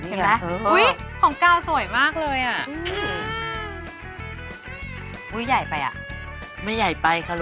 รอยเย็บของพี่ก้าวเป็นยังไงบ้างค่ะแม่